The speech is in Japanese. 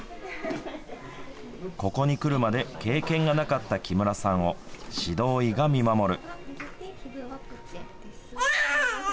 ここにくるまで経験がなかった木村さんを指導医が見守る。